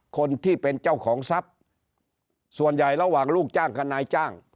คนที่เป็นเจ้าของทรัพย์ส่วนใหญ่ระหว่างลูกจ้างกับนายจ้าง